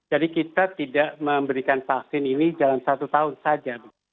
jadi kita tidak memberikan vaksin ini dalam satu tahun saja